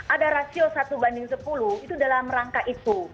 ada rasio satu banding sepuluh itu dalam rangka itu